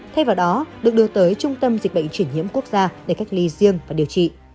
thay vào đó được đưa tới trung tâm dịch bệnh chuyển nhiễm quốc gia để cách ly riêng và điều trị